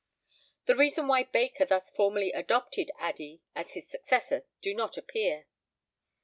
The reasons why Baker thus formally adopted Addey as his successor do not appear.